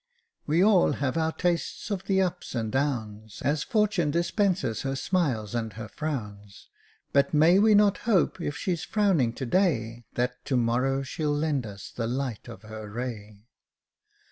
" We all have our taste of the ups and the downs, ^ As Fortune dispenses her smiles and her frowns; But may we not hope, if she's frowning to day, That to morrow she'll lend us the light of her ray.